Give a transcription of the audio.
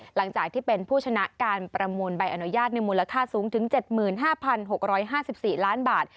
หลังจากที่เป็นผู้ชนะการประมูลใบอนุญาตในมูลค่าสูงถึง๗๕๖๕๔ล้านบาท